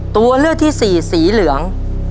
ตัวเลือกที่สี่สีเหลือง